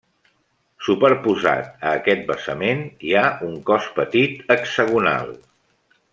Superposat a aquest basament hi ha un cos petit hexagonal.